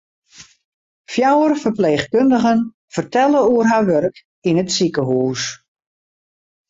Fjouwer ferpleechkundigen fertelle oer har wurk yn it sikehûs.